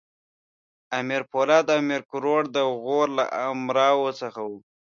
امیر پولاد او امیر کروړ د غور له امراوو څخه وو.